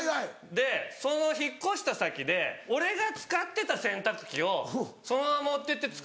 でその引っ越した先で俺が使ってた洗濯機をそのまま持ってって使おうって。